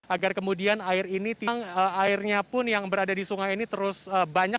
agar kemudian airnya pun yang berada di sungai ini terus banyak